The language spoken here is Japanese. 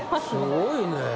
すごいな。